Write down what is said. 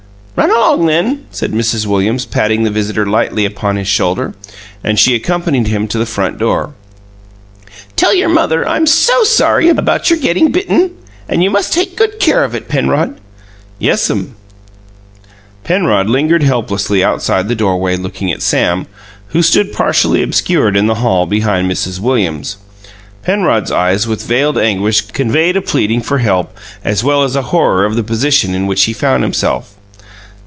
"Run along, then," said Mrs. Williams, patting the visitor lightly upon his shoulder; and she accompanied him to the front door. "Tell your mother I'm so sorry about your getting bitten, and you must take good care of it, Penrod." "Yes'm." Penrod lingered helplessly outside the doorway, looking at Sam, who stood partially obscured in the hall, behind Mrs. Williams. Penrod's eyes, with veiled anguish, conveyed a pleading for help as well as a horror of the position in which he found himself.